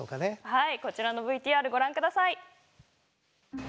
はいこちらのＶＴＲご覧下さい。